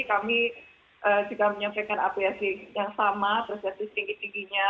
kami juga menyampaikan apresiasi yang sama apresiasi tinggi tingginya